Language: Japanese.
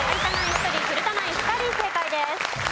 １人古田ナイン２人正解です。